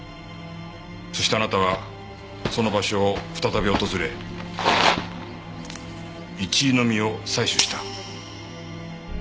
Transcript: そしてあなたはその場所を再び訪れイチイの実を採取した。